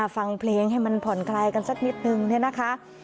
ฟังเพลงให้มันผ่อนคลายกันสักนิดนึงเนี่ยนะคะ